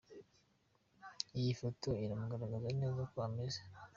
Iyi foto iramugaragaza neza uko ameze.